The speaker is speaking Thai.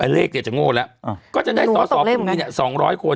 อ่ะเลขเดี๋ยวจะโง่แล้วก็จะได้สอคุณพี่เนี่ย๒๐๐โคน